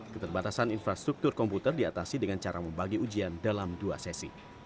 keterbatasan infrastruktur komputer diatasi dengan cara membagi ujian dalam dua sesi